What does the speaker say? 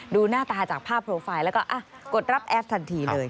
ดูหน้าตาจากภาพโปรไฟล์แล้วก็กดรับแอปทันทีเลย